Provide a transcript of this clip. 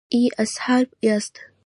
ایا اسهال یاست؟